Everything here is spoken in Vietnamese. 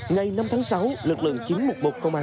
ngày năm tháng sáu lực lượng chín trăm một mươi một công an